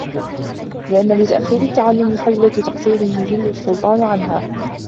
لِأَنَّ لِتَأْخِيرِ التَّعَلُّمِ خَجْلَةَ تَقْصِيرٍ يُجَلُّ السُّلْطَانُ عَنْهَا